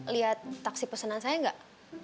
lihat taksi pesanan saya nggak